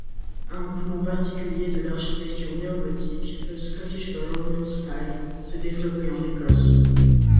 Un mouvement particulier de l'architecture néogothique, le Scottish baronial style, s'est développé en Écosse.